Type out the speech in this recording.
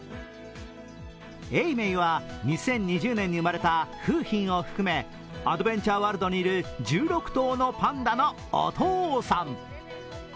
永明は２０２０年に生まれた楓浜を含め、アドベンチャーワールドにいる１６頭のパンダのお父さん。